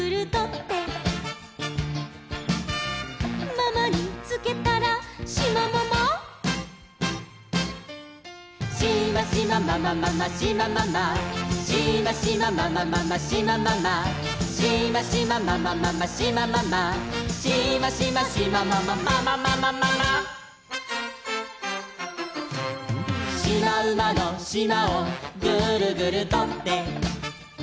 「ママにつけたらシマママ」「シマシマママママシマママ」「シマシマママママシマママ」「シマシマママママシマママ」「シマシマシマママママママママ」「しまうまのしまをグルグルとって」